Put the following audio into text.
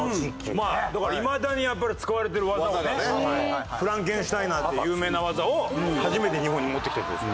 だからいまだにやっぱり使われてる技をねフランケンシュタイナーっていう有名な技を初めて日本に持ってきた人です。